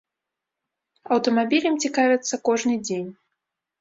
Аўтамабілем цікавяцца кожны дзень.